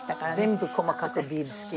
全部細かくビーズ付きね。